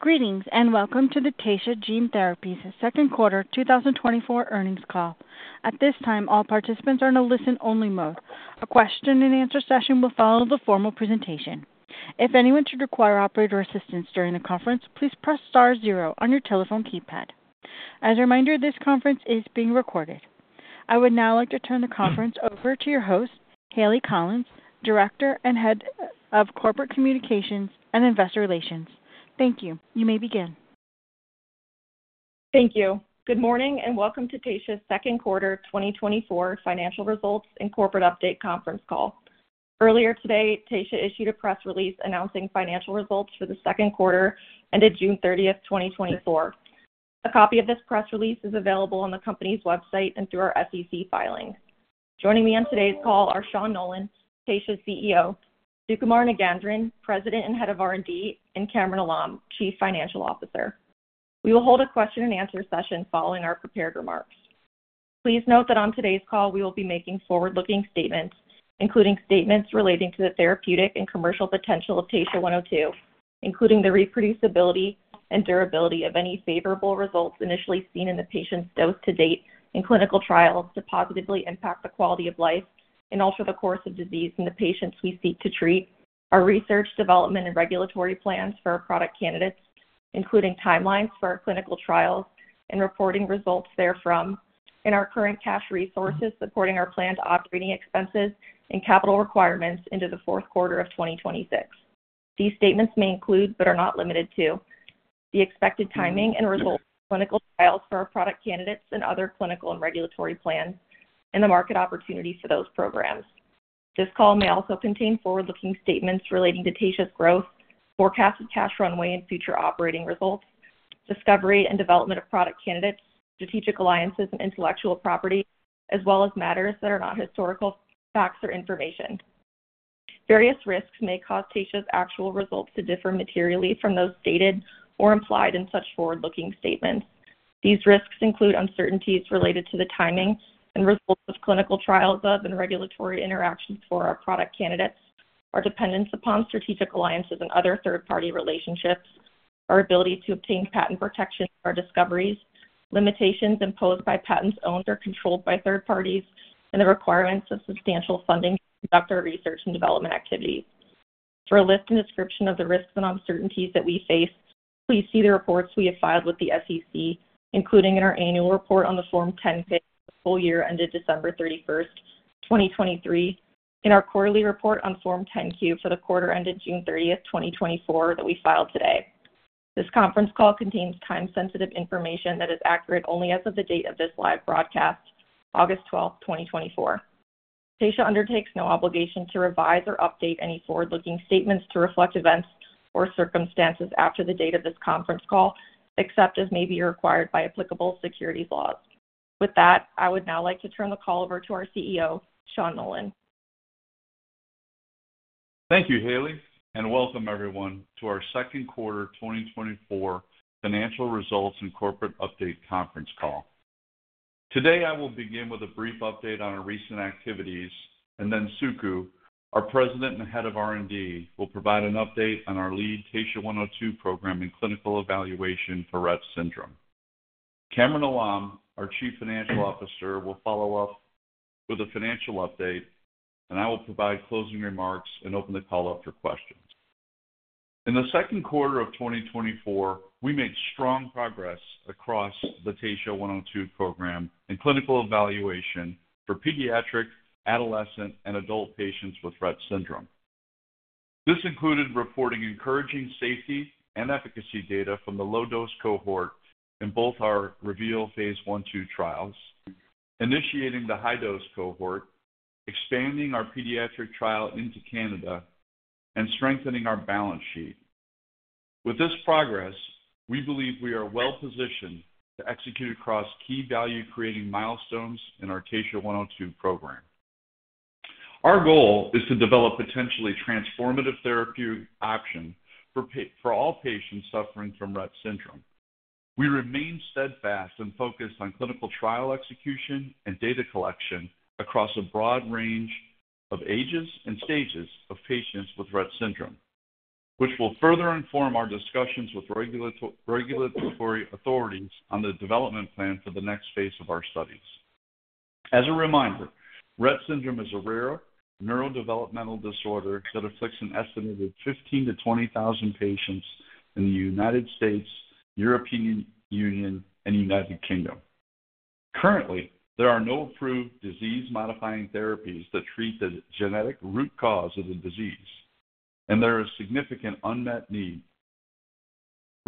Greetings, and welcome to the Taysha Gene Therapies' Second Quarter 2024 Earnings Call. At this time, all participants are in a listen-only mode. A question-and-answer session will follow the formal presentation. If anyone should require operator assistance during the conference, please press star zero on your telephone keypad. As a reminder, this conference is being recorded. I would now like to turn the conference over to your host, Hayleigh Collins, Director and Head of Corporate Communications and Investor Relations. Thank you. You may begin. Thank you. Good morning, and welcome to Taysha's Second Quarter 2024 Financial Results and Corporate Update conference call. Earlier today, Taysha issued a press release announcing financial results for the second quarter ended June 30, 2024. A copy of this press release is available on the company's website and through our SEC filing. Joining me on today's call are Sean Nolan, Taysha's CEO, Sukumar Nagendran, President and Head of R&D, and Kamran Alam, Chief Financial Officer. We will hold a question-and-answer session following our prepared remarks. Please note that on today's call, we will be making forward-looking statements, including statements relating to the therapeutic and commercial potential of TSHA-102, including the reproducibility and durability of any favorable results initially seen in the patients dosed to date in clinical trials to positively impact the quality of life and alter the course of disease in the patients we seek to treat. Our research, development, and regulatory plans for our product candidates, including timelines for our clinical trials and reporting results therefrom, and our current cash resources supporting our planned operating expenses and capital requirements into the fourth quarter of 2026. These statements may include, but are not limited to, the expected timing and results of clinical trials for our product candidates and other clinical and regulatory plans, and the market opportunities for those programs. This call may also contain forward-looking statements relating to Taysha's growth, forecasted cash runway, and future operating results, discovery and development of product candidates, strategic alliances and intellectual property, as well as matters that are not historical facts or information. Various risks may cause Taysha's actual results to differ materially from those stated or implied in such forward-looking statements. These risks include uncertainties related to the timing and results of clinical trials of, and regulatory interactions for our product candidates, our dependence upon strategic alliances and other third-party relationships, our ability to obtain patent protection for our discoveries, limitations imposed by patents owned or controlled by third parties, and the requirements of substantial funding to conduct our research and development activities. For a list and description of the risks and uncertainties that we face, please see the reports we have filed with the SEC, including in our annual report on Form 10-K for the full year ended December 31, 2023, and our quarterly report on Form 10-Q for the quarter ended June 30th, 2024, that we filed today. This conference call contains time-sensitive information that is accurate only as of the date of this live broadcast, August 12th, 2024. Taysha undertakes no obligation to revise or update any forward-looking statements to reflect events or circumstances after the date of this conference call, except as may be required by applicable securities laws. With that, I would now like to turn the call over to our CEO, Sean Nolan. Thank you, Hayleigh, and welcome everyone to our second quarter 2024 financial results and corporate update conference call. Today, I will begin with a brief update on our recent activities, and then Suku, our President and Head of R&D, will provide an update on our lead TSHA-102 program and clinical evaluation for Rett syndrome. Kamran Alam, our Chief Financial Officer, will follow up with a financial update, and I will provide closing remarks and open the call up for questions. In the second quarter of 2024, we made strong progress across the TSHA-102 program in clinical evaluation for pediatric, adolescent, and adult patients with Rett syndrome. This included reporting encouraging safety and efficacy data from the low-dose cohort in both our REVEAL Phase 1/2 trials, initiating the high-dose cohort, expanding our pediatric trial into Canada, and strengthening our balance sheet. With this progress, we believe we are well positioned to execute across key value-creating milestones in our TSHA-102 program. Our goal is to develop potentially transformative therapy option for for all patients suffering from Rett syndrome. We remain steadfast and focused on clinical trial execution and data collection across a broad range of ages and stages of patients with Rett syndrome, which will further inform our discussions with regulatory authorities on the development plan for the next phase of our studies. As a reminder, Rett syndrome is a rare neurodevelopmental disorder that afflicts an estimated 15,000-20,000 patients in the United States, European Union, and United Kingdom. Currently, there are no approved disease-modifying therapies that treat the genetic root cause of the disease, and there are significant unmet need.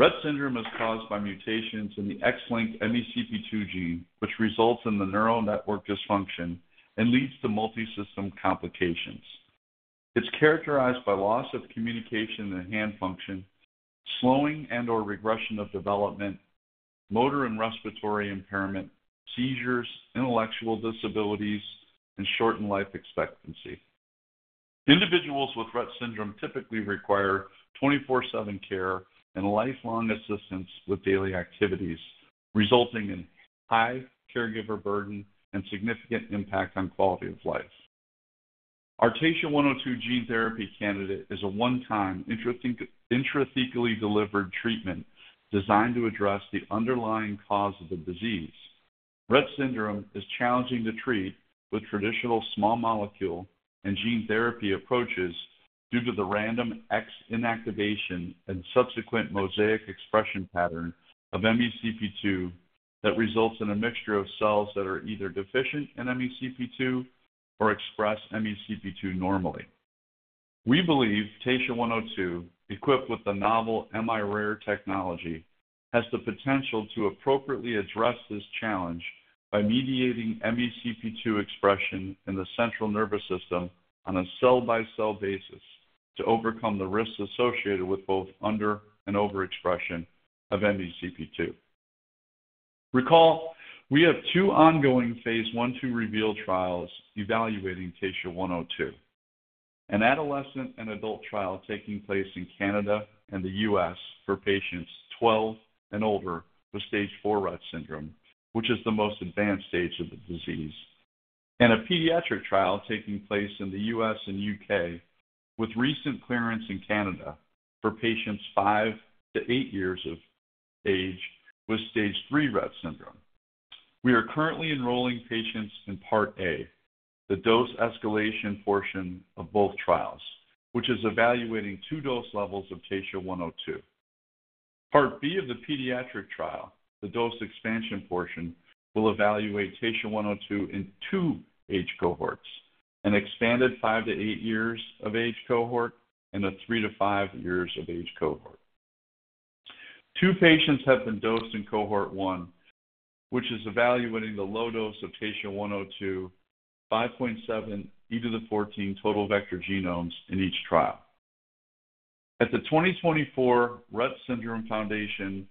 Rett syndrome is caused by mutations in the X-linked MECP2 gene, which results in the neural network dysfunction and leads to multisystem complications. It's characterized by loss of communication and hand function, slowing and/or regression of development, motor and respiratory impairment, seizures, intellectual disabilities, and shortened life expectancy. Individuals with Rett syndrome typically require 24/7 care and lifelong assistance with daily activities, resulting in high caregiver burden and significant impact on quality of life. Our TSHA-102 gene therapy candidate is a one-time intrathecal, intrathecally delivered treatment designed to address the underlying cause of the disease. Rett syndrome is challenging to treat with traditional small molecule and gene therapy approaches due to the random X inactivation and subsequent mosaic expression pattern of MECP2 that results in a mixture of cells that are either deficient in MECP2 or express MECP2 normally. We believe TSHA-102, equipped with the novel miRARE technology, has the potential to appropriately address this challenge by mediating MECP2 expression in the central nervous system on a cell-by-cell basis to overcome the risks associated with both under and overexpression of MECP2. Recall, we have two ongoing Phase 1/2 REVEAL trials evaluating TSHA-102. An adolescent and adult trial taking place in Canada and the US for patients 12 and older with stage four Rett syndrome, which is the most advanced stage of the disease. A pediatric trial taking place in the U.S. and U.K., with recent clearance in Canada for patients five to eight years of age with stage three Rett syndrome. We are currently enrolling patients in Part A, the dose escalation portion of both trials, which is evaluating two dose levels of TSHA-102. Part B of the pediatric trial, the dose expansion portion, will evaluate TSHA-102 in two age cohorts: an expanded five to eight years of age cohort and a three to five years of age cohort. Two patients have been dosed in cohort one, which is evaluating the low dose of TSHA-102, 5.7E14 total vector genomes in each trial. At the 2024 Rett Syndrome Foundation,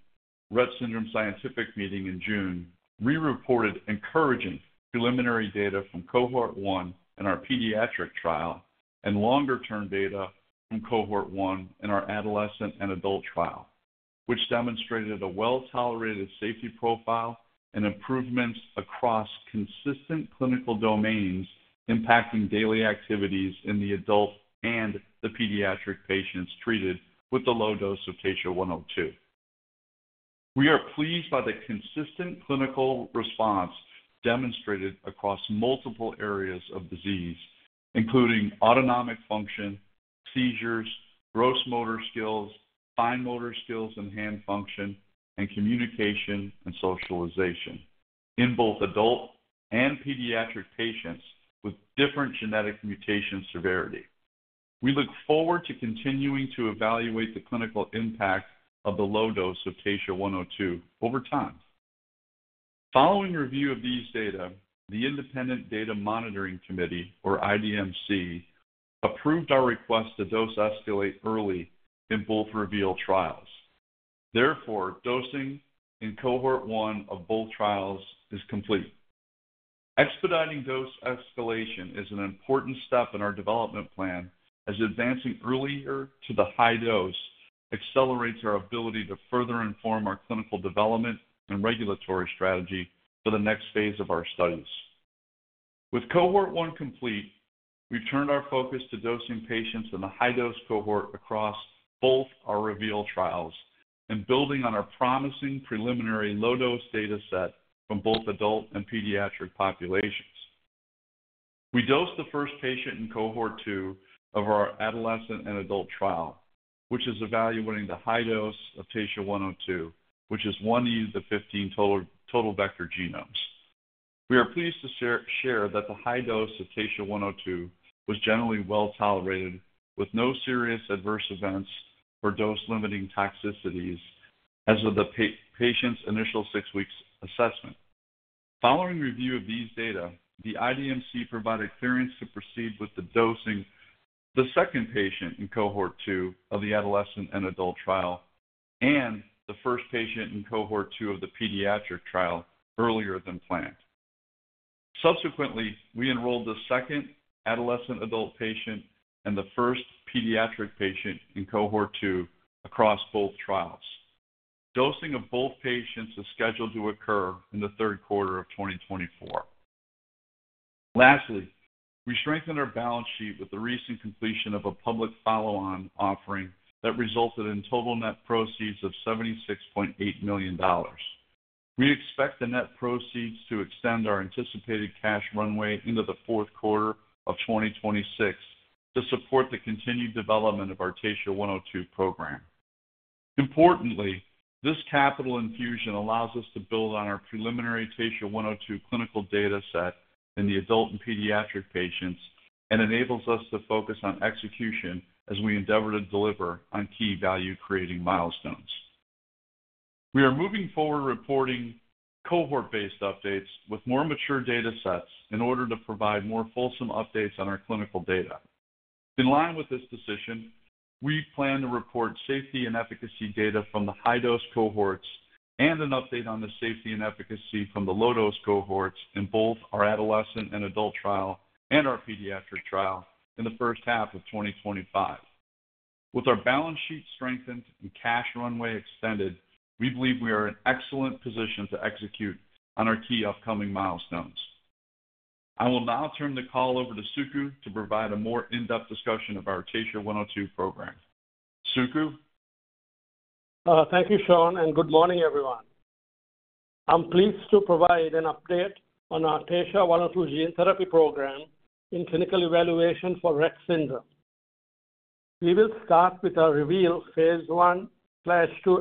Rett Syndrome Scientific Meeting in June, we reported encouraging preliminary data from cohort one in our pediatric trial and longer-term data from cohort one in our adolescent and adult trial, which demonstrated a well-tolerated safety profile and improvements across consistent clinical domains impacting daily activities in the adult and the pediatric patients treated with the low dose of TSHA-102. We are pleased by the consistent clinical response demonstrated across multiple areas of disease, including autonomic function, seizures, gross motor skills, fine motor skills and hand function, and communication and socialization in both adult and pediatric patients with different genetic mutation severity. We look forward to continuing to evaluate the clinical impact of the low dose of TSHA-102 over time. Following review of these data, the Independent Data Monitoring Committee, or IDMC, approved our request to dose escalate early in both REVEAL trials. Therefore, dosing in cohort one of both trials is complete. Expediting dose escalation is an important step in our development plan, as advancing earlier to the high dose accelerates our ability to further inform our clinical development and regulatory strategy for the next phase of our studies. With cohort one complete, we turned our focus to dosing patients in the high-dose cohort across both our REVEAL trials and building on our promising preliminary low-dose data set from both adult and pediatric populations. We dosed the first patient in cohort two of our adolescent and adult trial, which is evaluating the high dose of TSHA-102, which is 1x10^15 total vector genomes. We are pleased to share that the high dose of TSHA-102 was generally well-tolerated, with no serious adverse events or dose-limiting toxicities as of the patient's initial six weeks assessment. Following review of these data, the IDMC provided clearance to proceed with dosing the second patient in cohort two of the adolescent and adult trial, and the first patient in cohort two of the pediatric trial earlier than planned. Subsequently, we enrolled the second adolescent adult patient and the first pediatric patient in cohort two across both trials. Dosing of both patients is scheduled to occur in the third quarter of 2024. Lastly, we strengthened our balance sheet with the recent completion of a public follow-on offering that resulted in total net proceeds of $76.8 million. We expect the net proceeds to extend our anticipated cash runway into the fourth quarter of 2026 to support the continued development of our TSHA-102 program. Importantly, this capital infusion allows us to build on our preliminary TSHA-102 clinical data set in the adult and pediatric patients and enables us to focus on execution as we endeavor to deliver on key value-creating milestones. We are moving forward reporting cohort-based updates with more mature data sets in order to provide more fulsome updates on our clinical data. In line with this decision, we plan to report safety and efficacy data from the high-dose cohorts and an update on the safety and efficacy from the low-dose cohorts in both our adolescent and adult trial and our pediatric trial in the first half of 2025. With our balance sheet strengthened and cash runway extended, we believe we are in excellent position to execute on our key upcoming milestones. I will now turn the call over to Suku to provide a more in-depth discussion of our TSHA-102 program. Suku? Thank you, Sean, and good morning, everyone. I'm pleased to provide an update on our TSHA-102 gene therapy program in clinical evaluation for Rett syndrome. We will start with our REVEAL Phase 1/2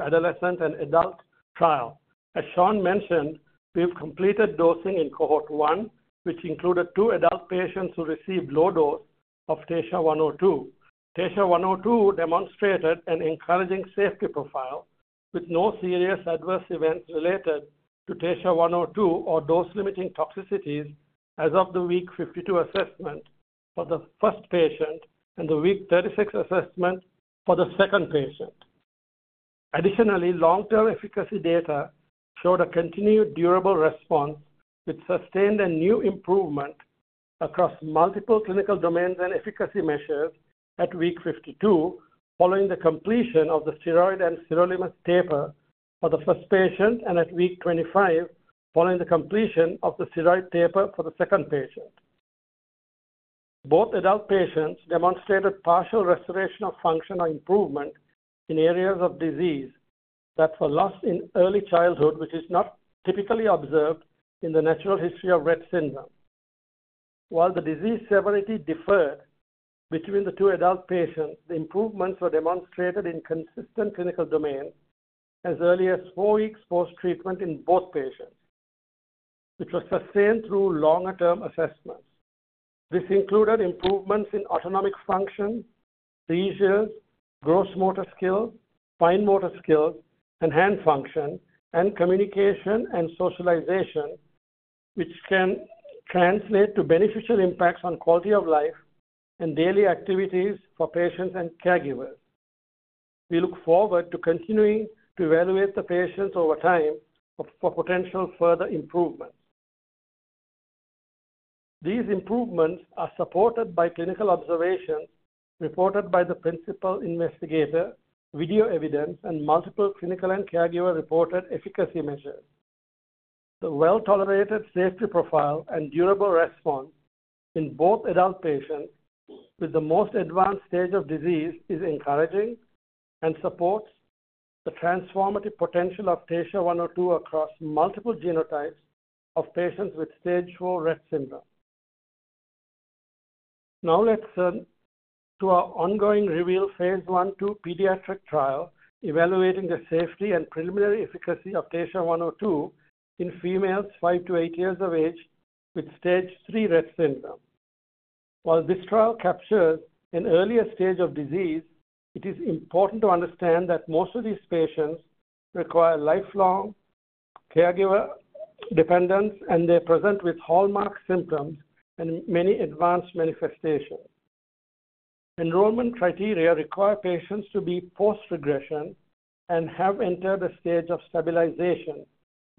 adolescent and adult trial. As Sean mentioned, we've completed dosing in cohort one, which included two adult patients who received low dose of TSHA-102. TSHA-102 demonstrated an encouraging safety profile, with no serious adverse events related to TSHA-102 or dose-limiting toxicities as of the week 52 assessment for the first patient and the week 36 assessment for the second patient. Additionally, long-term efficacy data showed a continued durable response with sustained and new improvement across multiple clinical domains and efficacy measures at week 52, following the completion of the steroid and sirolimus taper for the first patient, and at week 25, following the completion of the steroid taper for the second patient. Both adult patients demonstrated partial restoration of functional improvement in areas of disease that were lost in early childhood, which is not typically observed which can translate to beneficial impacts on quality of life and daily activities for patients and caregivers. We look forward to continuing to evaluate the patients over time for potential further improvements. These improvements are supported by clinical observations reported by the principal investigator, video evidence, and multiple clinical and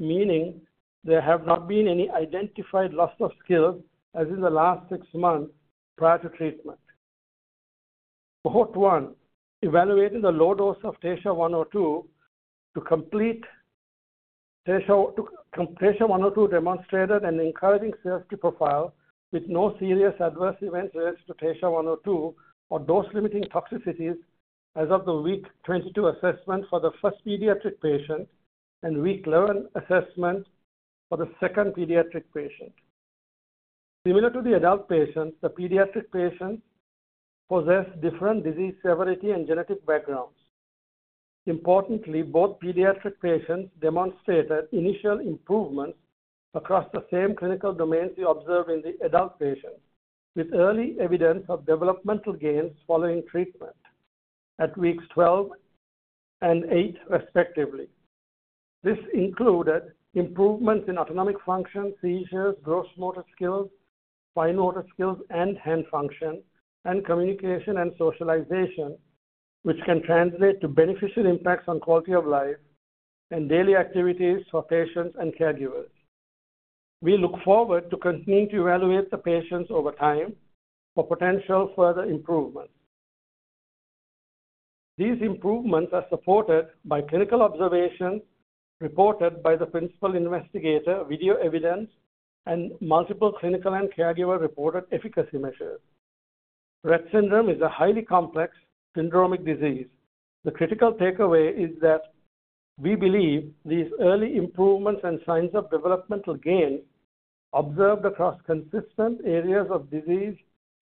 caregiver-reported efficacy measures. Rett syndrome is a highly complex syndromic disease. The critical takeaway is that we believe these early improvements and signs of developmental gain observed across consistent areas of disease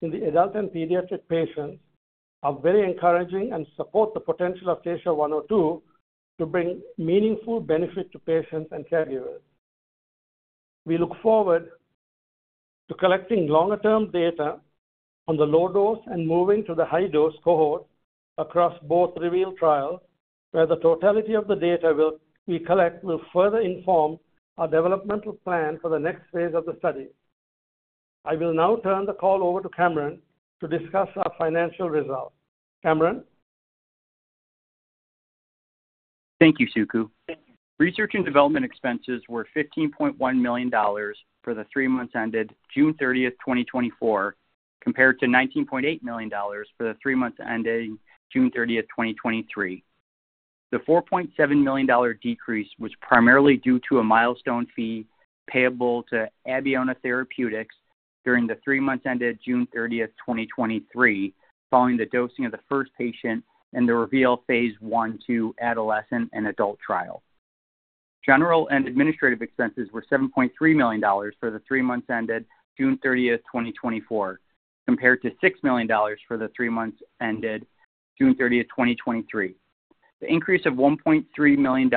in the adult and pediatric patients are very encouraging and support the potential of TSHA-102 to bring meaningful benefit to patients and caregivers. We look forward to collecting longer-term data on the low dose and moving to the high dose cohort across both REVEAL trials, where the totality of the data, will, we collect will further inform our developmental plan for the next phase of the study. I will now turn the call over to Kamran to discuss our financial results. Kamran? Thank you, Suku. Research and development expenses were $15.1 million for the three months ended June 30th, 2024, compared to $19.8 million for the three months ending June 30th, 2023. The $4.7 million decrease was primarily due to a milestone fee payable to Abeona Therapeutics during the three months ended June 30th, 2023, following the dosing of the first patient in the REVEAL Phase 1/2 adolescent and adult trial. General and administrative expenses were $7.3 million for the three months ended June 30th, 2024, compared to $6 million for the three months ended June 30th, 2023. The increase of $1.3 million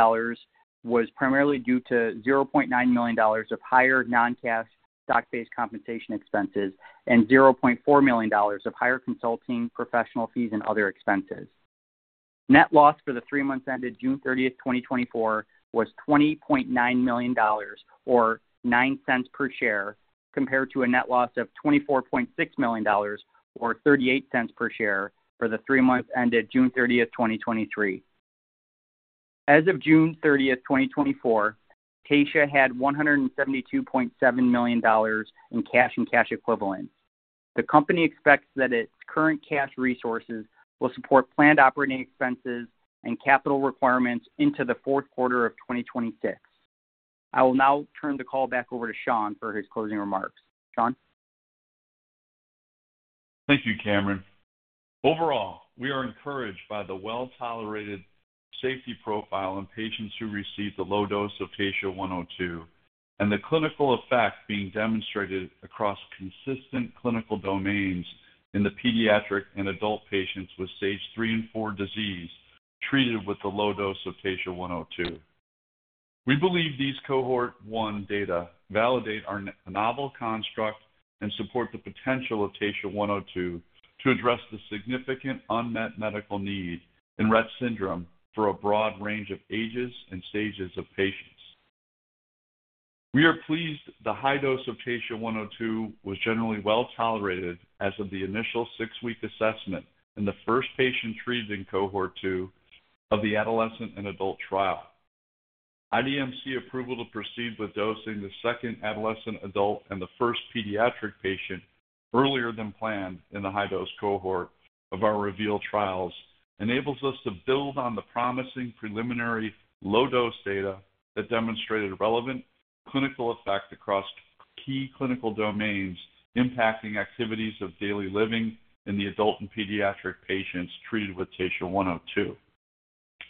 was primarily due to $0.9 million of higher non-cash stock-based compensation expenses and $0.4 million of higher consulting, professional fees, and other expenses. Net loss for the three months ended June 30th, 2024, was $20.9 million, or $0.09 per share, compared to a net loss of $24.6 million, or $0.38 per share, for the three months ended June 30th, 2023. As of June 30th, 2024, Taysha had $172.7 million in cash and cash equivalents. The company expects that its current cash resources will support planned operating expenses and capital requirements into the fourth quarter of 2026. I will now turn the call back over to Sean for his closing remarks. Sean? Thank you, Kamran. Overall, we are encouraged by the well-tolerated safety profile in patients who received the low dose of TSHA-102, and the clinical effect being demonstrated across consistent clinical domains in the pediatric and adult patients with stage three and four disease treated with the low dose of TSHA-102. We believe these Cohort One data validate our novel construct and support the potential of TSHA-102 to address the significant unmet medical need in Rett syndrome for a broad range of ages and stages of patients. We are pleased the high dose of TSHA-102 was generally well tolerated as of the initial six-week assessment in the first patient treated in Cohort Two of the adolescent and adult trial. IDMC approval to proceed with dosing the second adolescent, adult, and the first pediatric patient earlier than planned in the high-dose cohort of our REVEAL trials enables us to build on the promising preliminary low-dose data that demonstrated relevant clinical effect across key clinical domains impacting activities of daily living in the adult and pediatric patients treated with TSHA-102.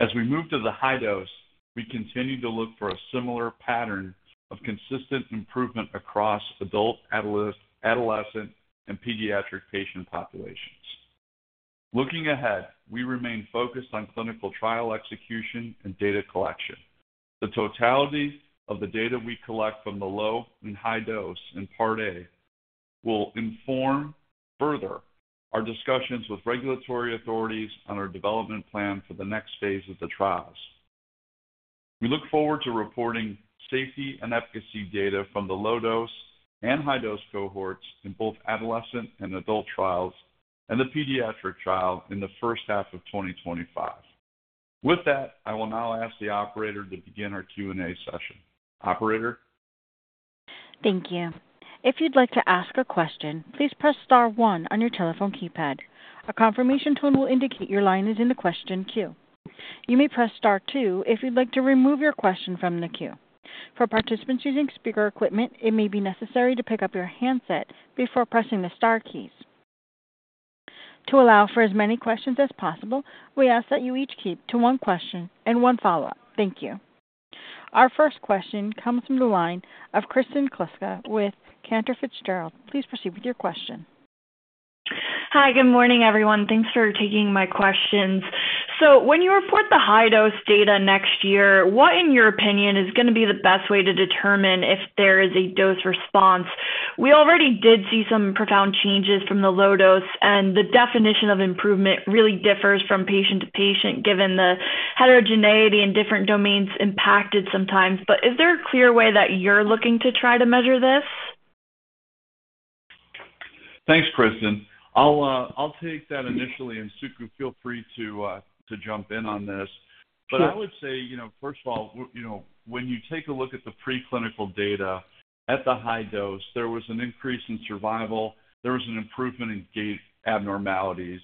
As we move to the high dose, we continue to look for a similar pattern of consistent improvement across adult, adolescent, and pediatric patient populations. Looking ahead, we remain focused on clinical trial execution and data collection. The totality of the data we collect from the low and high dose in Part A will inform further our discussions with regulatory authorities on our development plan for the next phase of the trials. We look forward to reporting safety and efficacy data from the low-dose and high-dose cohorts in both adolescent and adult trials and the pediatric trial in the first half of 2025. With that, I will now ask the operator to begin our Q&A session. Operator? Thank you. If you'd like to ask a question, please press star one on your telephone keypad. A confirmation tone will indicate your line is in the question queue. You may press star two if you'd like to remove your question from the queue. For participants using speaker equipment, it may be necessary to pick up your handset before pressing the star keys. To allow for as many questions as possible, we ask that you each keep to one question and one follow-up. Thank you. Our first question comes from the line of Kristen Kluska with Cantor Fitzgerald. Please proceed with your question. Hi, good morning, everyone. Thanks for taking my questions. So when you report the high-dose data next year, what, in your opinion, is going to be the best way to determine if there is a dose response? We already did see some profound changes from the low dose, and the definition of improvement really differs from patient to patient, given the heterogeneity in different domains impacted sometimes. But is there a clear way that you're looking to try to measure this? Thanks, Kristen. I'll, I'll take that initially, and Suku, feel free to, to jump in on this. Sure. But I would say, you know, first of all, you know, when you take a look at the preclinical data at the high dose, there was an increase in survival. There was an improvement in gait abnormalities,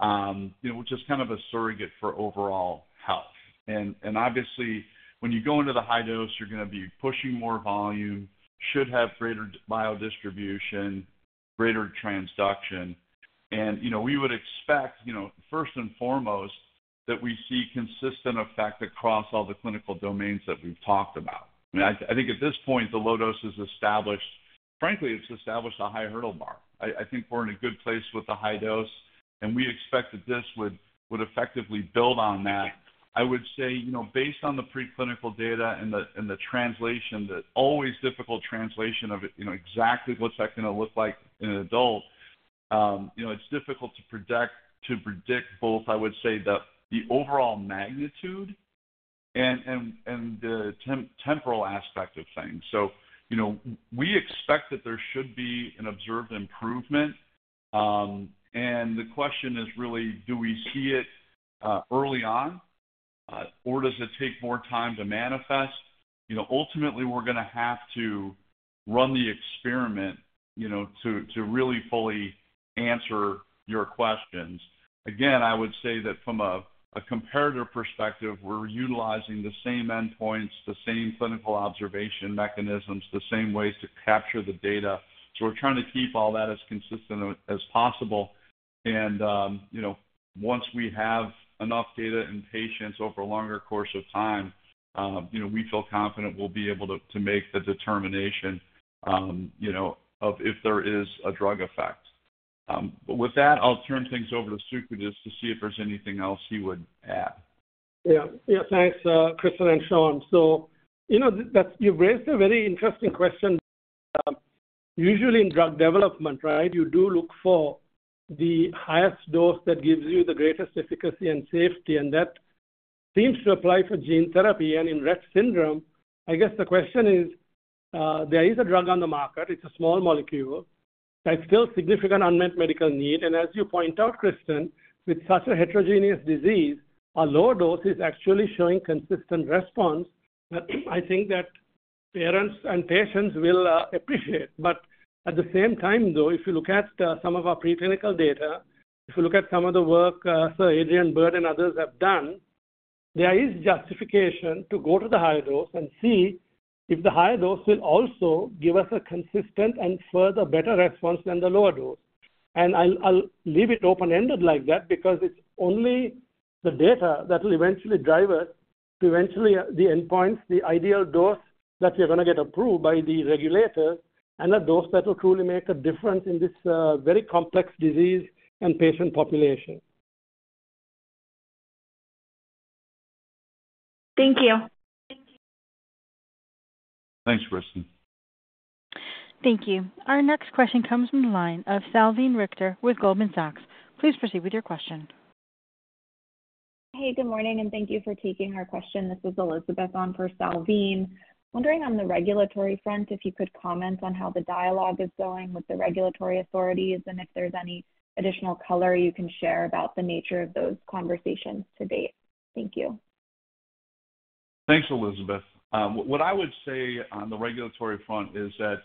you know, which is kind of a surrogate for overall health. And obviously, when you go into the high dose, you're going to be pushing more volume, should have greater biodistribution, greater transduction. And, you know, we would expect, you know, first and foremost, that we see consistent effect across all the clinical domains that we've talked about. I think at this point, the low dose is established. Frankly, it's established a high hurdle bar. I think we're in a good place with the high dose, and we expect that this would effectively build on that. I would say, you know, based on the preclinical data and the translation, the always difficult translation of, you know, exactly what's that going to look like in an adult, you know, it's difficult to predict both, I would say, the overall magnitude and the temporal aspect of things. So, you know, we expect that there should be an observed improvement. And the question is really, do we see it early on or does it take more time to manifest? You know, ultimately, we're gonna have to run the experiment, you know, to really fully answer your questions. Again, I would say that from a comparative perspective, we're utilizing the same endpoints, the same clinical observation mechanisms, the same ways to capture the data. So we're trying to keep all that as consistent as possible. And, you know, once we have enough data in patients over a longer course of time, you know, we feel confident we'll be able to make the determination, you know, of if there is a drug effect. But with that, I'll turn things over to Suku just to see if there's anything else he would add. Yeah. Yeah, thanks, Kristen and Sean. So, you know, that you've raised a very interesting question. Usually in drug development, right, you do look for the highest dose that gives you the greatest efficacy and safety, and that seems to apply for gene therapy and in Rett syndrome. I guess the question is, there is a drug on the market. It's a small molecule, but still significant unmet medical need. And as you point out, Kristen, with such a heterogeneous disease, a lower dose is actually showing consistent response, I think that parents and patients will appreciate. But at the same time, though, if you look at some of our preclinical data, if you look at some of the work Sir Adrian Bird and others have done, there is justification to go to the higher dose and see if the higher dose will also give us a consistent and further better response than the lower dose. And I'll, I'll leave it open-ended like that because it's only the data that will eventually drive us to eventually the endpoints, the ideal dose that we're gonna get approved by the regulator, and a dose that will truly make a difference in this very complex disease and patient population. Thank you. Thanks, Kristen. Thank you. Our next question comes from the line of Salveen Richter with Goldman Sachs. Please proceed with your question. Hey, good morning, and thank you for taking our question. This is Elizabeth on for Salveen. Wondering on the regulatory front, if you could comment on how the dialogue is going with the regulatory authorities, and if there's any additional color you can share about the nature of those conversations to date? Thank you. Thanks, Elizabeth. What I would say on the regulatory front is that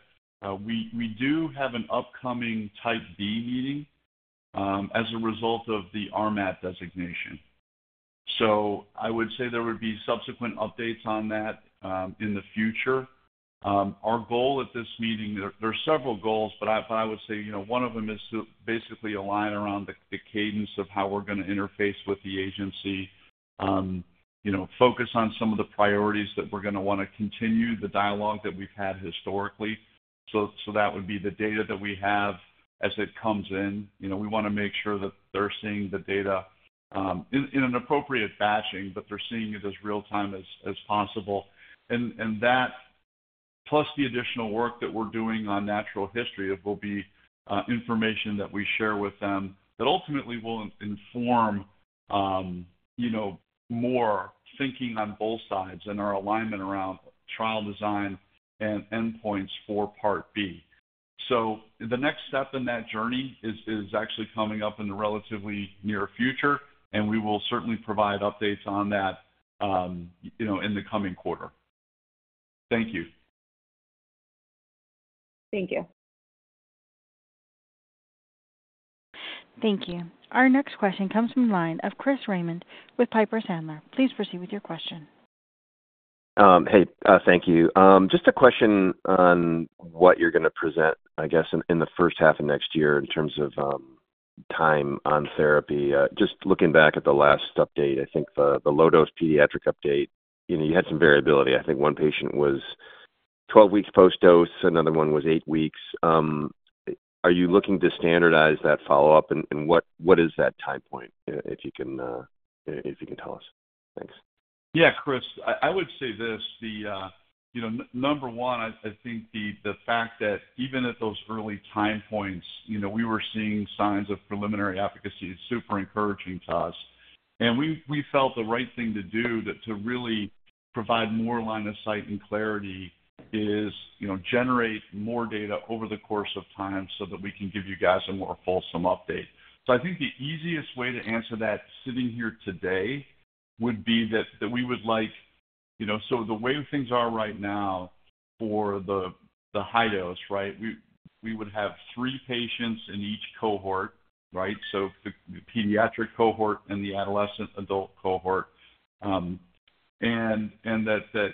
we do have an upcoming Type B meeting as a result of the RMAT designation. So I would say there would be subsequent updates on that in the future. Our goal at this meeting, there are several goals, but I would say, you know, one of them is to basically align around the cadence of how we're gonna interface with the agency. You know, focus on some of the priorities that we're gonna wanna continue, the dialogue that we've had historically. So that would be the data that we have as it comes in. You know, we wanna make sure that they're seeing the data in an appropriate batching, but they're seeing it as real-time as possible. And that, plus the additional work that we're doing on natural history, it will be information that we share with them that ultimately will inform, you know, more thinking on both sides and our alignment around trial design and endpoints for Part B. So the next step in that journey is actually coming up in the relatively near future, and we will certainly provide updates on that, you know, in the coming quarter. Thank you. Thank you. Thank you. Our next question comes from line of Chris Raymond with Piper Sandler. Please proceed with your question. Hey, thank you. Just a question on what you're gonna present, I guess, in the first half of next year in terms of time on therapy. Just looking back at the last update, I think the low-dose pediatric update, you know, you had some variability. I think one patient was 12 weeks post-dose, another one was eight weeks. Are you looking to standardize that follow-up, and what is that time point, if you can tell us? Thanks. Yeah, Chris, I would say this: the number one, I think the fact that even at those early time points, you know, we were seeing signs of preliminary efficacy is super encouraging to us. And we felt the right thing to do to really provide more line of sight and clarity is, you know, generate more data over the course of time so that we can give you guys a more fulsome update. So I think the easiest way to answer that sitting here today would be that we would like, you know, so the way things are right now for the high dose, right? We would have three patients in each cohort, right? So the pediatric cohort and the adolescent/adult cohort, and that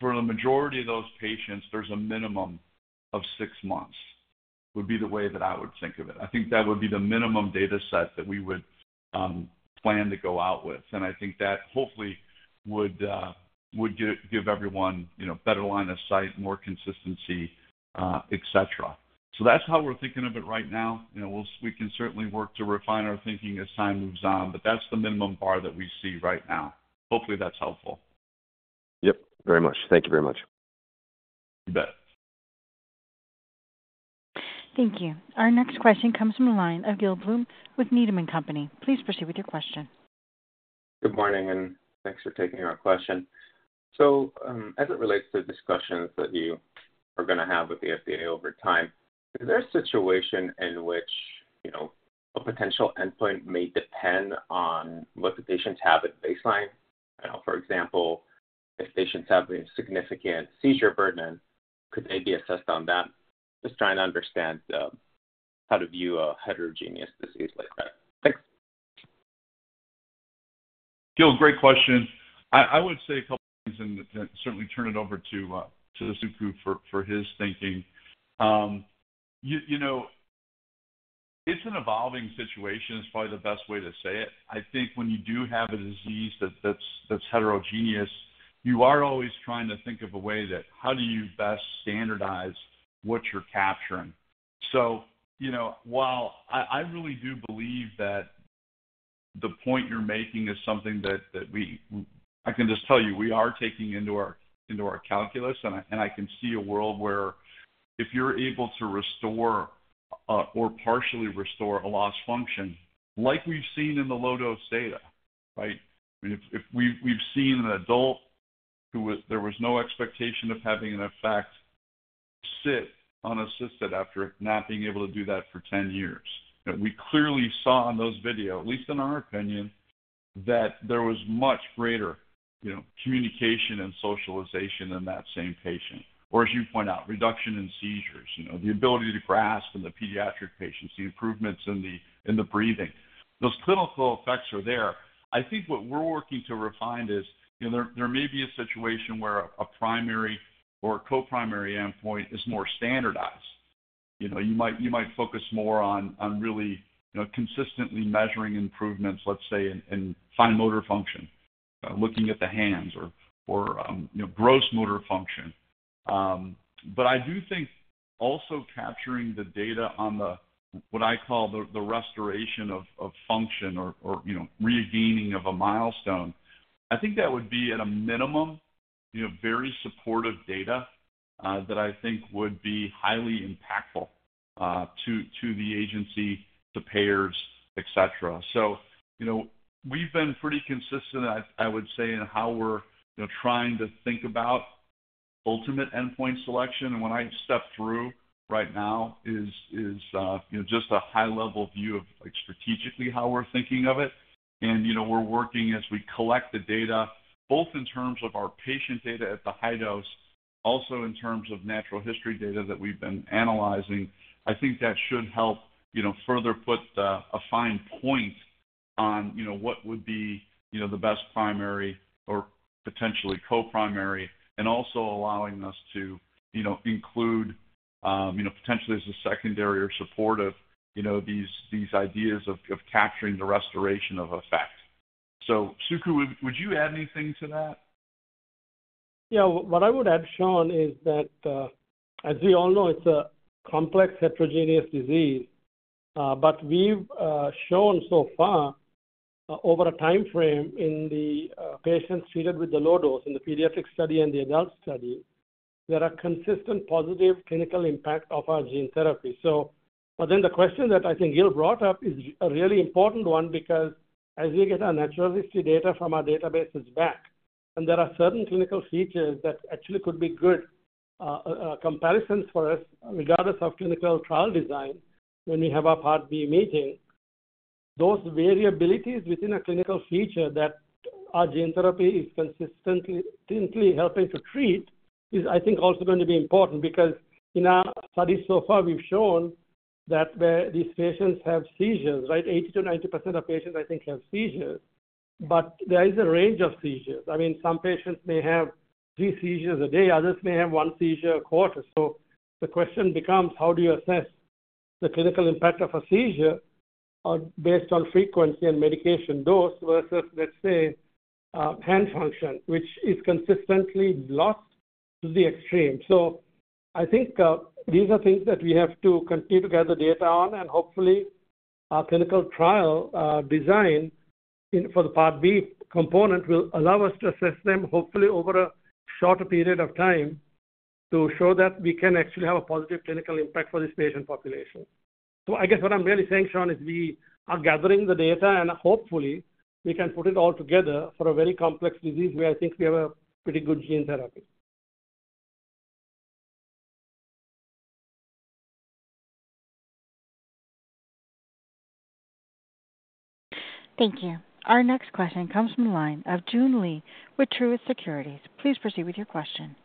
for the majority of those patients, there's a minimum of six months, would be the way that I would think of it. I think that would be the minimum data set that we would plan to go out with. And I think that hopefully would give everyone you know, better line of sight, more consistency, et cetera. So that's how we're thinking of it right now. You know, we'll we can certainly work to refine our thinking as time moves on, but that's the minimum bar that we see right now. Hopefully, that's helpful. Yep, very much. Thank you very much. You bet. Thank you. Our next question comes from the line of Gil Blum with Needham and Company. Please proceed with your question. Good morning, and thanks for taking our question. So, as it relates to the discussions that you are gonna have with the FDA over time, is there a situation in which, you know, a potential endpoint may depend on what the patients have at baseline? For example, if patients have a significant seizure burden, could they be assessed on that? Just trying to understand how to view a heterogeneous disease like that. Thanks. Gil, great question. I would say a couple things and certainly turn it over to Suku for his thinking. You know, it's an evolving situation, is probably the best way to say it. I think when you do have a disease that's heterogeneous, you are always trying to think of a way that how do you best standardize what you're capturing? So, you know, while I really do believe that the point you're making is something that we, I can just tell you, we are taking into our calculus, and I can see a world where if you're able to restore or partially restore a lost function, like we've seen in the low-dose data, right? If we've seen an adult who was, there was no expectation of having an effect, sit unassisted after not being able to do that for 10 years. We clearly saw in those video, at least in our opinion, that there was much greater, you know, communication and socialization in that same patient, or as you point out, reduction in seizures, you know, the ability to grasp in the pediatric patients, the improvements in the breathing. Those clinical effects are there. I think what we're working to refine is, you know, there may be a situation where a primary or a co-primary endpoint is more standardized. You know, you might focus more on really, you know, consistently measuring improvements, let's say, in fine motor function, looking at the hands or, you know, gross motor function. But I do think also capturing the data on the, what I call the, the restoration of, of function or, or, you know, regaining of a milestone. I think that would be, at a minimum, you know, very supportive data, that I think would be highly impactful, to, to the agency, the payers, et cetera. So, you know, we've been pretty consistent, I, I would say, in how we're, you know, trying to think about ultimate endpoint selection. And what I stepped through right now is, is, you know, just a high-level view of, like, strategically how we're thinking of it. And, you know, we're working as we collect the data, both in terms of our patient data at the high dose, also in terms of natural history data that we've been analyzing. I think that should help, you know, further put a fine point on, you know, what would be, you know, the best primary or potentially co-primary, and also allowing us to, you know, include, you know, potentially as a secondary or supportive, you know, these ideas of capturing the restoration of effect. So, Suku, would you add anything to that? Yeah, what I would add, Sean, is that, as we all know, it's a complex, heterogeneous disease. But we've shown so far, over a time frame in the patients treated with the low dose in the pediatric study and the adult study, there are consistent positive clinical impact of our gene therapy. So, but then the question that I think Gil brought up is a really important one, because as we get our natural history data from our databases back, and there are certain clinical features that actually could be good comparisons for us, regardless of clinical trial design, when we have our Part B Meeting, those variabilities within a clinical feature that our gene therapy is consistently, consistently helping to treat, is I think, also going to be important. Because in our studies so far, we've shown that these patients have seizures, right? 80% to 90% of patients, I think, have seizures, but there is a range of seizures. I mean, some patients may have three seizures a day, others may have one seizure a quarter. So the question becomes: how do you assess the clinical impact of a seizure based on frequency and medication dose, versus, let's say, hand function, which is consistently lost to the extreme? So I think these are things that we have to continue to gather data on, and hopefully our clinical trial design in for the Part B component will allow us to assess them, hopefully over a shorter period of time, to show that we can actually have a positive clinical impact for this patient population. I guess what I'm really saying, Sean, is we are gathering the data, and hopefully we can put it all together for a very complex disease, where I think we have a pretty good gene therapy. Thank you. Our next question comes from the line of Joon Lee with Truist Securities. Please proceed with your question.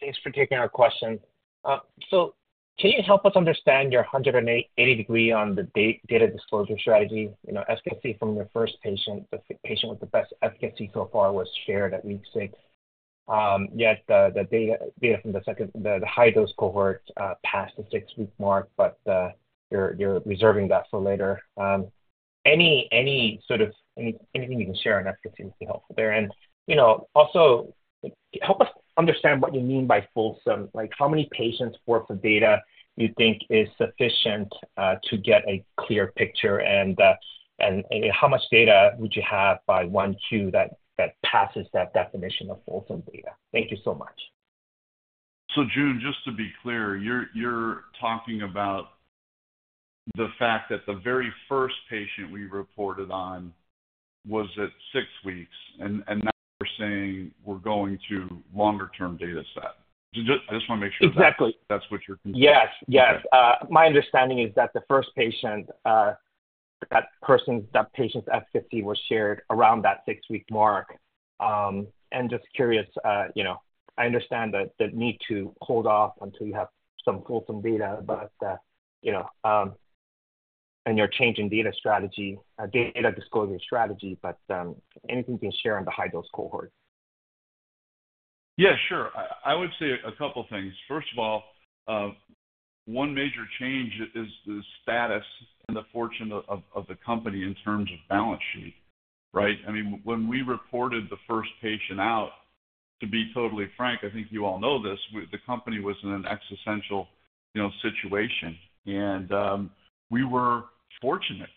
Thanks for taking our question. So can you help us understand your 180-degree on the data disclosure strategy? You know, efficacy from your first patient, the patient with the best efficacy so far, was shared at week six. Yet the data from the second, the high dose cohort, passed the six-week mark, but you're reserving that for later. Anything you can share on that would be helpful there. And, you know, also, help us understand what you mean by fulsome. Like, how many patients worth of data you think is sufficient to get a clear picture, and how much data would you have by 1Q that passes that definition of fulsome data? Thank you so much. So Joon, just to be clear, you're talking about the fact that the very first patient we reported on was at six weeks, and now we're saying we're going to longer-term data set. So just, I just want to make sure. Exactly. That's what you're considering. Yes, yes. My understanding is that the first patient, that person's, that patient's efficacy was shared around that six-week mark. And just curious, you know, I understand the, the need to hold off until you have some fulsome data, but, you know, and you're changing data strategy, data disclosure strategy, but, anything you can share on behind those cohorts? Yeah, sure. I would say a couple things. First of all, one major change is the status and the fortune of the company in terms of balance sheet, right? I mean, when we reported the first patient out, to be totally frank, I think you all know this, the company was in an existential, you know, situation. And we were fortunate,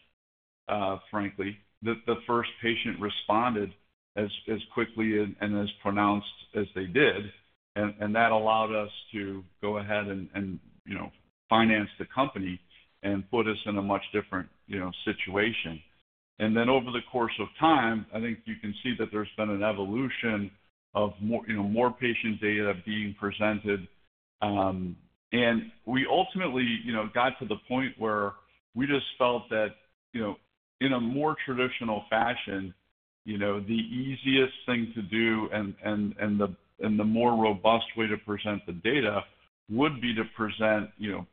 frankly, that the first patient responded as quickly and as pronounced as they did, and that allowed us to go ahead and, you know, finance the company and put us in a much different, you know, situation. And then over the course of time, I think you can see that there's been an evolution of more, you know, more patient data being presented. And we ultimately, you know, got to the point where we just felt that, you know, in a more traditional fashion, you know, the easiest thing to do and the more robust way to present the data would be to present, you know,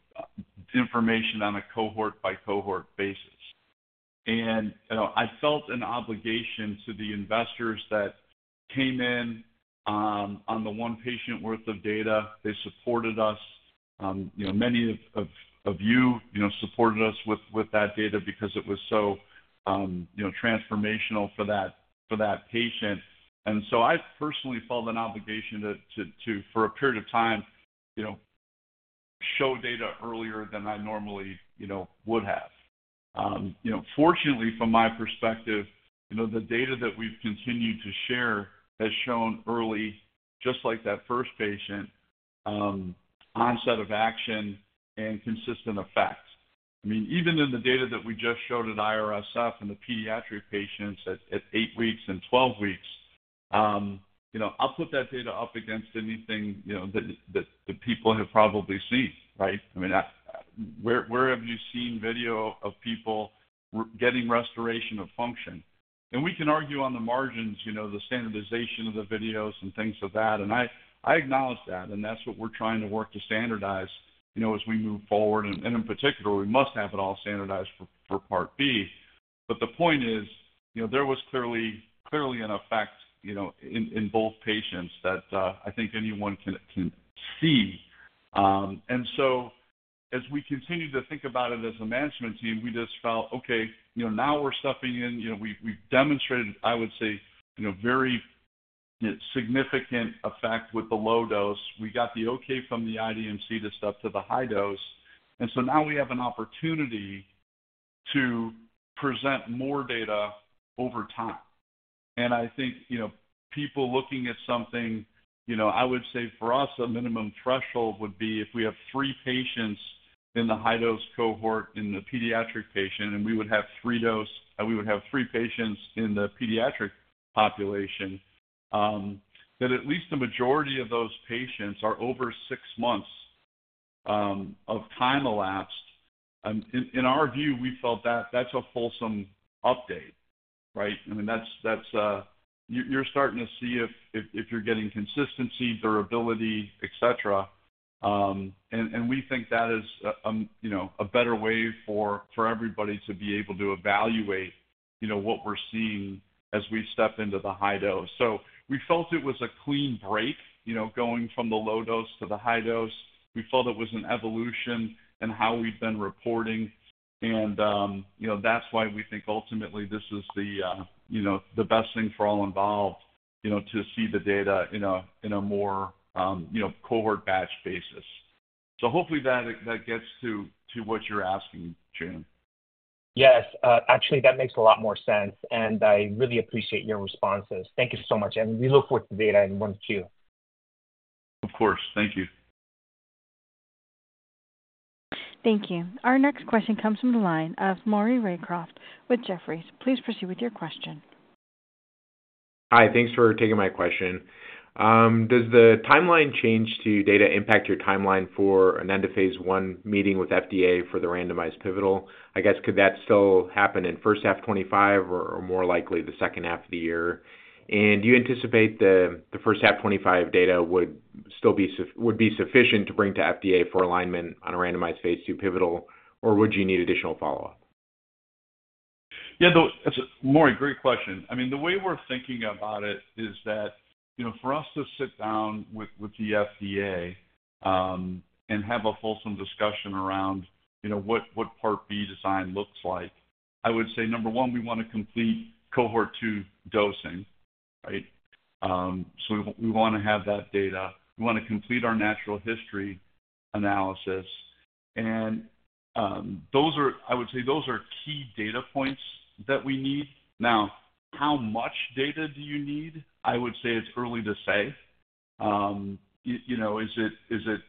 information on a cohort-by-cohort basis. And, you know, I felt an obligation to the investors that came in on the one patient worth of data. They supported us. You know, many of you, you know, supported us with that data because it was so, you know, transformational for that patient. And so I personally felt an obligation to, for a period of time, you know, show data earlier than I normally, you know, would have. You know, fortunately, from my perspective, you know, the data that we've continued to share has shown early, just like that first patient, onset of action and consistent effects. I mean, even in the data that we just showed at IRSF and the pediatric patients at eight weeks and 12 weeks, you know, I'll put that data up against anything, you know, that, that, that people have probably seen, right? I mean, where, where have you seen video of people getting restoration of function? And we can argue on the margins, you know, the standardization of the videos and things of that, and I, I acknowledge that, and that's what we're trying to work to standardize, you know, as we move forward. And, and in particular, we must have it all standardized for Part B. The point is, you know, there was clearly, clearly an effect, you know, in, in both patients that, I think anyone can, can see. So as we continued to think about it as a management team, we just felt, okay, you know, now we're stepping in, you know, we've, we've demonstrated, I would say, you know, very significant effect with the low dose. We got the okay from the IDMC to step to the high dose. So now we have an opportunity to present more data over time. And I think, you know, people looking at something, you know, I would say for us, a minimum threshold would be if we have three patients in the high-dose cohort, in the pediatric patient, and we would have three patients in the pediatric population, that at least the majority of those patients are over six months of time elapsed. In our view, we felt that that's a fulsome update, right? I mean, that's, that's, you're starting to see if, if, if you're getting consistency, durability, et cetera. And we think that is a, you know, a better way for everybody to be able to evaluate, you know, what we're seeing as we step into the high dose. So we felt it was a clean break, you know, going from the low dose to the high dose. We felt it was an evolution in how we've been reporting, and, you know, that's why we think ultimately this is the, you know, the best thing for all involved, you know, to see the data in a, in a more, you know, cohort batch basis. So hopefully that, that gets to, to what you're asking, Joon. Yes, actually, that makes a lot more sense, and I really appreciate your responses. Thank you so much, and we look forward to the data in 1Q. Of course. Thank you. Thank you. Our next question comes from the line of Maury Raycroft with Jefferies. Please proceed with your question. Hi, thanks for taking my question. Does the timeline change to data impact your timeline for an end of Phase 1 meeting with FDA for the randomized pivotal? I guess, could that still happen in first half 2025 or, or more likely the second half of the year? And do you anticipate the, the first half 2025 data would still be sufficient to bring to FDA for alignment on a randomized Phase 2 pivotal, or would you need additional follow-up? Yeah, so Maury, great question. I mean, the way we're thinking about it is that, you know, for us to sit down with the FDA, and have a fulsome discussion around, you know, what Part B design looks like, I would say, number one, we want to complete cohort two dosing, right? So we wanna have that data. We wanna complete our natural history analysis.... And those are, I would say those are key data points that we need. Now, how much data do you need? I would say it's early to say. You know, is it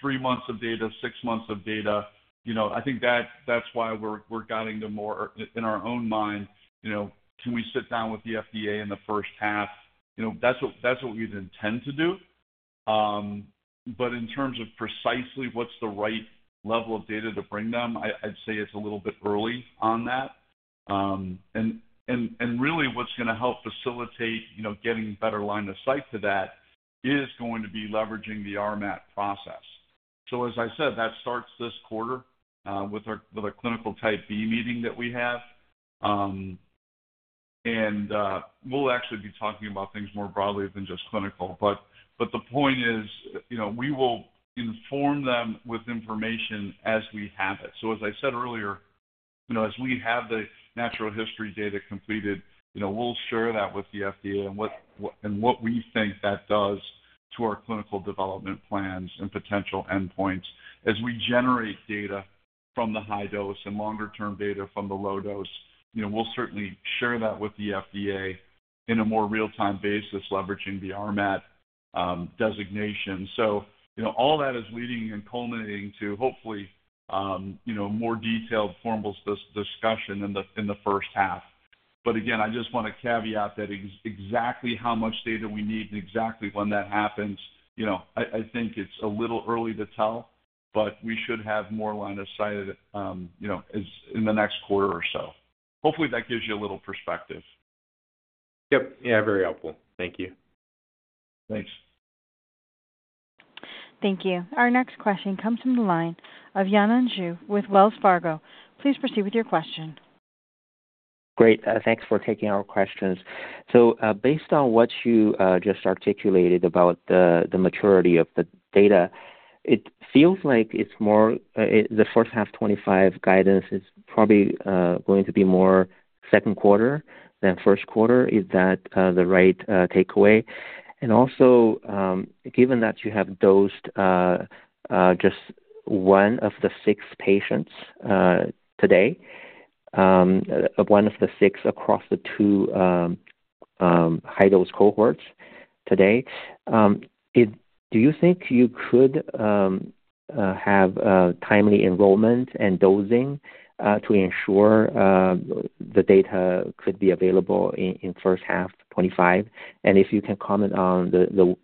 three months of data, six months of data? You know, I think that's why we're guiding to more, in our own mind, you know, can we sit down with the FDA in the first half? You know, that's what, that's what we'd intend to do. But in terms of precisely what's the right level of data to bring them, I'd say it's a little bit early on that. And really, what's gonna help facilitate, you know, getting better line of sight to that is going to be leveraging the RMAT process. So as I said, that starts this quarter, with our clinical Type B Meeting that we have. And we'll actually be talking about things more broadly than just clinical. But the point is, you know, we will inform them with information as we have it. So as I said earlier, you know, as we have the natural history data completed, you know, we'll share that with the FDA, and what we think that does to our clinical development plans and potential endpoints. As we generate data from the high dose and longer term data from the low dose, you know, we'll certainly share that with the FDA in a more real-time basis, leveraging the RMAT designation. So, you know, all that is leading and culminating to hopefully, you know, more detailed formal discussion in the first half. But again, I just wanna caveat that exactly how much data we need and exactly when that happens, you know, I think it's a little early to tell, but we should have more line of sight, you know, as in the next quarter or so. Hopefully, that gives you a little perspective. Yep. Yeah, very helpful. Thank you. Thanks. Thank you. Our next question comes from the line of Yanan Zhu with Wells Fargo. Please proceed with your question. Great. Thanks for taking our questions. So, based on what you just articulated about the maturity of the data, it feels like it's more, the first half 2025 guidance is probably going to be more second quarter than first quarter. Is that the right takeaway? And also, given that you have dosed just one of the six patients today, one of the six across the two high dose cohorts today, do you think you could have a timely enrollment and dosing to ensure the data could be available in first half 2025? And if you can comment on the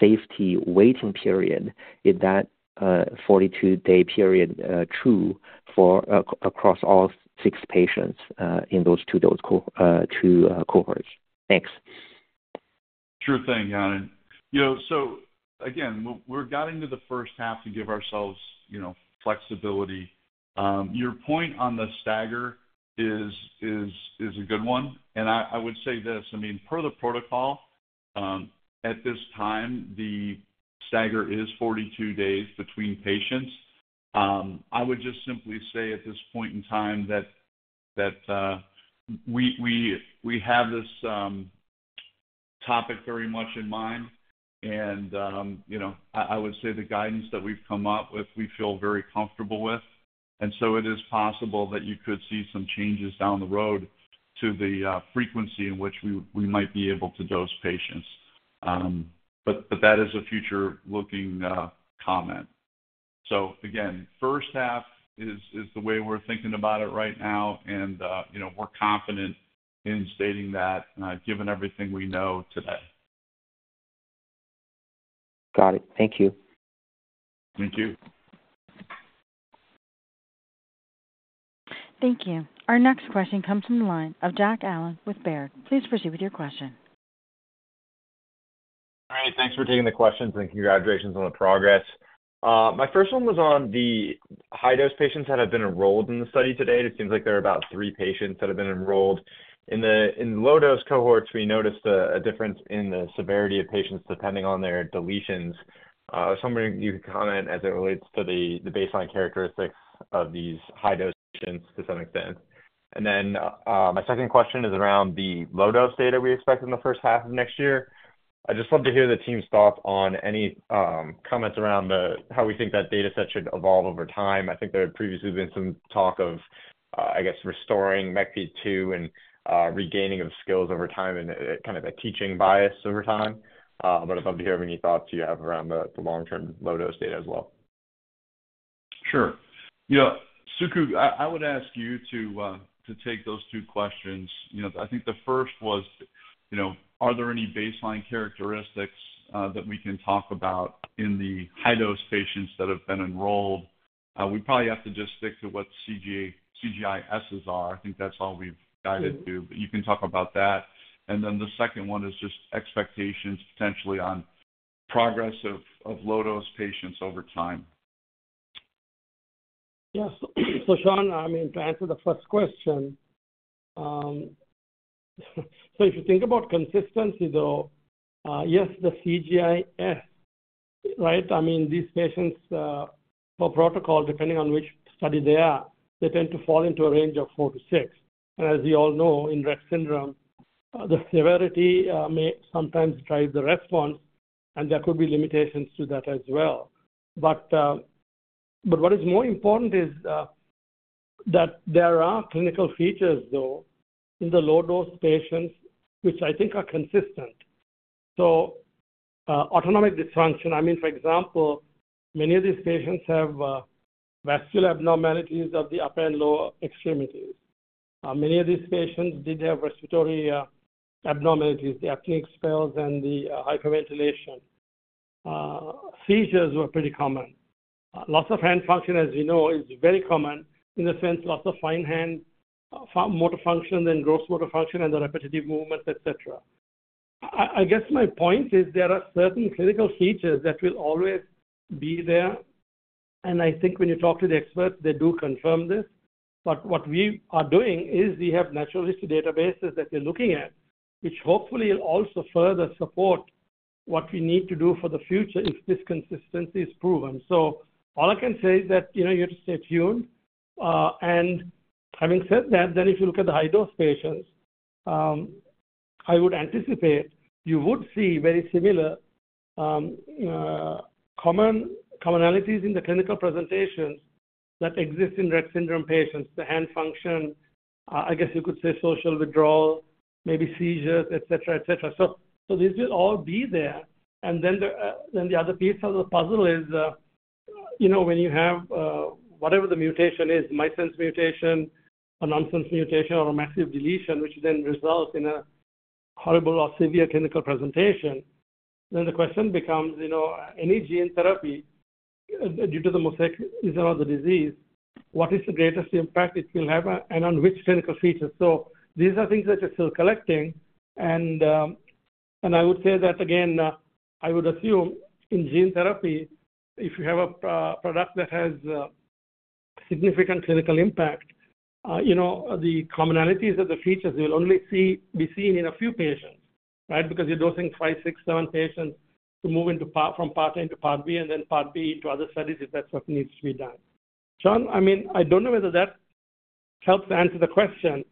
safety waiting period, is that 42-day period true for across all six patients in those two, dose, cohorts? Thanks. Sure thing, Yanan. You know, so again, we're guiding to the first half to give ourselves, you know, flexibility. Your point on the stagger is a good one, and I would say this, I mean, per the protocol, at this time, the stagger is 42 days between patients. I would just simply say at this point in time that we have this topic very much in mind, and, you know, I would say the guidance that we've come up with, we feel very comfortable with. And so it is possible that you could see some changes down the road to the frequency in which we might be able to dose patients. But that is a future-looking comment. So again, first half is the way we're thinking about it right now, and, you know, we're confident in stating that, given everything we know today. Got it. Thank you. Thank you. Thank you. Our next question comes from the line of Jack Allen with Baird. Please proceed with your question. All right, thanks for taking the questions, and congratulations on the progress. My first one was on the high dose patients that have been enrolled in the study to date. It seems like there are about three patients that have been enrolled. In the low dose cohorts, we noticed a difference in the severity of patients depending on their deletions. I was wondering if you could comment as it relates to the baseline characteristics of these high dose patients to some extent. And then, my second question is around the low dose data we expect in the first half of next year. I'd just love to hear the team's thoughts on any comments around how we think that data set should evolve over time. I think there had previously been some talk of, I guess, restoring MECP2 and, regaining of skills over time and a, kind of a teaching bias over time. But I'd love to hear of any thoughts you have around the long-term low dose data as well. Sure. You know, Suku, I, I would ask you to to take those two questions. You know, I think the first was, you know, are there any baseline characteristics that we can talk about in the high dose patients that have been enrolled? We probably have to just stick to what CGI-Ss are. I think that's all we've guided to, but you can talk about that. And then the second one is just expectations potentially on progress of low dose patients over time. Yes. So, Sean, I mean, to answer the first question, so if you think about consistency, though, yes, the CGI-S, right? I mean, these patients, for protocol, depending on which study they are, they tend to fall into a range of four to six. And as we all know, in Rett syndrome, the severity may sometimes drive the response, and there could be limitations to that as well. But what is more important is that there are clinical features, though, in the low-dose patients, which I think are consistent. So, autonomic dysfunction, I mean, for example, many of these patients have vascular abnormalities of the upper and lower extremities. Many of these patients did have respiratory abnormalities, the apneic spells and the hyperventilation. Seizures were pretty common. Loss of hand function, as you know, is very common in the sense of loss of fine hand motor function and gross motor function and the repetitive movements, et cetera. I guess my point is there are certain clinical features that will always be there, and I think when you talk to the experts, they do confirm this. But what we are doing is we have natural history databases that we're looking at, which hopefully will also further support what we need to do for the future if this consistency is proven. So all I can say is that, you know, you have to stay tuned. And having said that, if you look at the high dose patients, I would anticipate you would see very similar commonalities in the clinical presentations that exist in Rett syndrome patients. The hand function, I guess you could say social withdrawal, maybe seizures, et cetera, et cetera. So, so this will all be there. And then the, then the other piece of the puzzle is, you know, when you have, whatever the mutation is, missense mutation, a nonsense mutation, or a massive deletion, which then results in a horrible or severe clinical presentation, then the question becomes, you know, any gene therapy, due to the mosaicism of the disease, what is the greatest impact it will have, and on which clinical features? So these are things that you're still collecting, and, and I would say that again, I would assume in gene therapy, if you have a product that has, significant clinical impact, you know, the commonalities of the features will only be seen in a few patients, right? Because you're dosing five, six, seven patients to move into part, from Part A into Part B, and then Part B into other studies, if that's what needs to be done. Sean, I mean, I don't know whether that helps answer the question,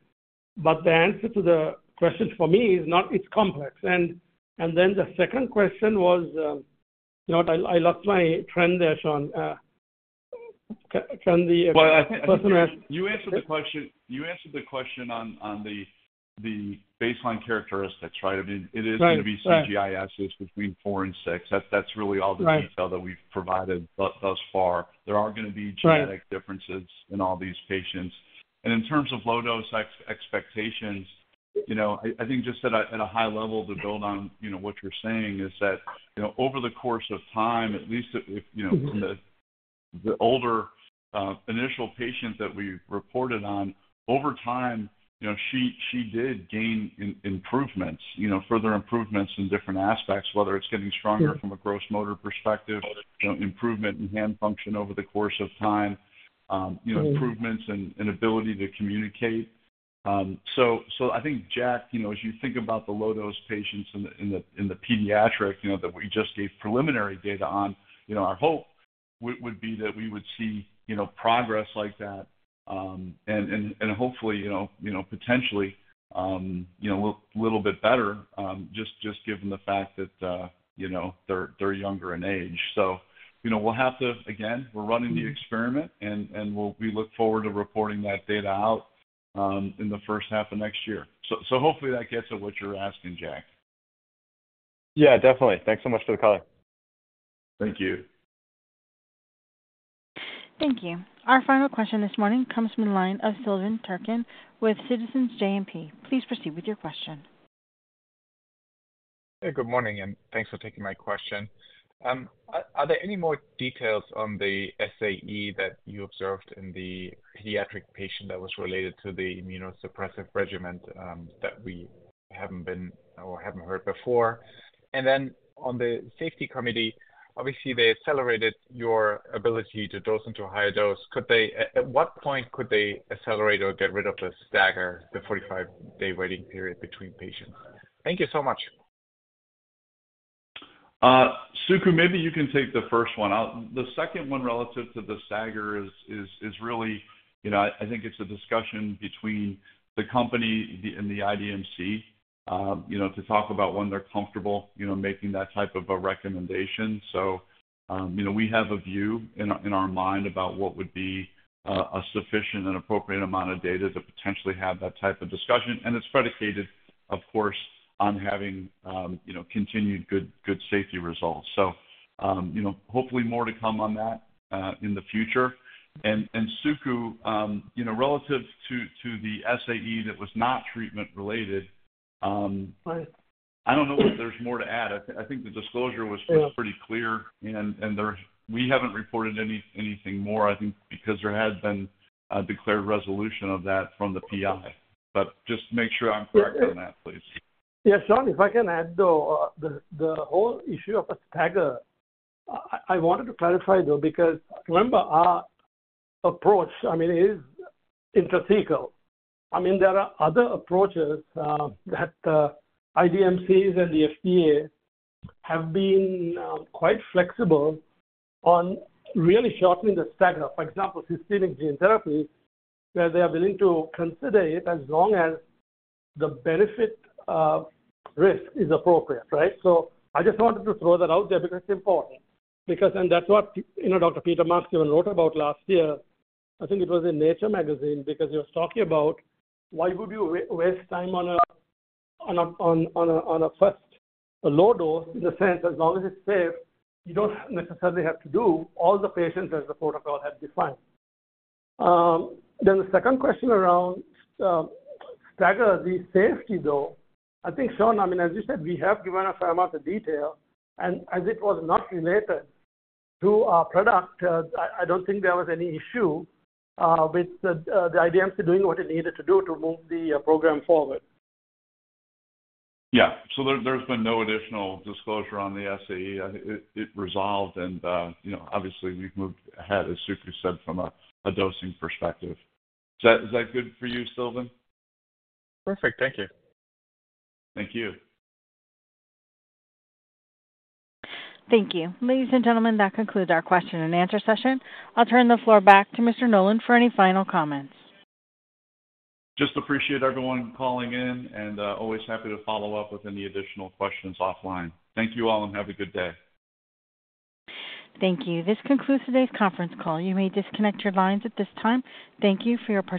but the answer to the question for me is not, it's complex. And, and then the second question was, you know what? I, I lost my train there, Sean. Can the person ask? Well, I think you answered the question, you answered the question on the baseline characteristics, right? I mean, it is. Right. Going to be CGI-S between four and six. That, that's really all the. Right. Detail that we've provided thus far. There are going to be. Right. Genetic differences in all these patients. And in terms of low dose expectations, you know, I think just at a high level, to build on, you know, what you're saying is that, you know, over the course of time, at least, you know. Mm-hmm. The older initial patients that we reported on, over time, you know, she did gain improvements, you know, further improvements in different aspects, whether it's getting stronger. Sure. From a gross motor perspective, you know, improvement in hand function over the course of time, you know. Mm. Improvements in ability to communicate. So, I think, Jack, you know, as you think about the low dose patients in the pediatric, you know, that we just gave preliminary data on, you know, our hope would be that we would see, you know, progress like that. And hopefully, you know, potentially, you know, a little bit better, just given the fact that, you know, they're younger in age. So, you know, we'll have to. Again, we're running the experiment, and we'll look forward to reporting that data out, in the first half of next year. So, hopefully that gets at what you're asking, Jack. Yeah, definitely. Thanks so much for the call. Thank you. Thank you. Our final question this morning comes from the line of Silvan Türkcan with Citizens JMP. Please proceed with your question. Hey, good morning, and thanks for taking my question. Are there any more details on the SAE that you observed in the pediatric patient that was related to the immunosuppressive regimen, that we haven't been or haven't heard before? And then on the safety committee, obviously, they accelerated your ability to dose into a higher dose. At what point could they accelerate or get rid of the stagger, the 45-day waiting period between patients? Thank you so much. Suku, maybe you can take the first one. The second one, relative to the stagger is really, you know, I think it's a discussion between the company and the IDMC, you know, to talk about when they're comfortable, you know, making that type of a recommendation. So, you know, we have a view in our mind about what would be a sufficient and appropriate amount of data to potentially have that type of discussion. And it's predicated, of course, on having continued good safety results. So, you know, hopefully more to come on that in the future. And Suku, you know, relative to the SAE that was not treatment related. Right. I don't know if there's more to add. I think the disclosure was pretty clear, and we haven't reported anything more, I think, because there has been a declared resolution of that from the PI. But just make sure I'm correct on that, please. Yeah, Sean, if I can add, though, the whole issue of a stagger, I wanted to clarify, though, because remember, our approach, I mean, is intrathecal. I mean, there are other approaches that IDMCs and the FDA have been quite flexible on really shortening the stagger. For example, systemic gene therapy, where they are willing to consider it as long as the benefit risk is appropriate, right? So I just wanted to throw that out there because it's important. Because, and that's what, you know, Dr. Peter Marks even wrote about last year. I think it was in Nature Magazine, because he was talking about why would you waste time on a first low dose, in the sense, as long as it's safe, you don't necessarily have to do all the patients as the protocol had defined. Then the second question around stagger the safety, though. I think, Sean, I mean, as you said, we have given a fair amount of detail, and as it was not related to our product, I don't think there was any issue with the IDMC doing what it needed to do to move the program forward. Yeah. So there, there's been no additional disclosure on the SAE. I think it resolved and, you know, obviously we've moved ahead, as Suku said, from a dosing perspective. Is that good for you, Silvan? Perfect. Thank you. Thank you. Thank you. Ladies and gentlemen, that concludes our question and answer session. I'll turn the floor back to Mr. Nolan for any final comments. Just appreciate everyone calling in, and always happy to follow up with any additional questions offline. Thank you all, and have a good day. Thank you. This concludes today's conference call. You may disconnect your lines at this time. Thank you for your participation.